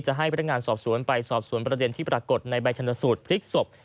ให้พนักงานสอบสวนไปสอบสวนประเด็นที่ปรากฏในใบชนสูตรพลิกศพ